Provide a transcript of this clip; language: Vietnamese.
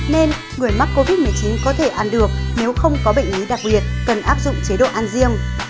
nên người mắc covid một mươi chín có thể ăn được nếu không có bệnh lý đặc biệt cần áp dụng chế độ ăn riêng